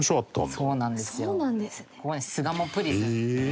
そうなんです。